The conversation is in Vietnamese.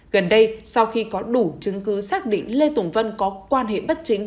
gần đây sau khi có đủ chứng cứ xác định lê tùng vân có quan hệ bất chính